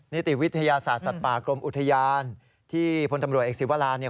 นิติวิทยาศาสตร์สัตว์ป่ากรมอุทยานที่พลตำรวจเอกศิวราเนี่ย